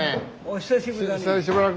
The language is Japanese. お久しぶり。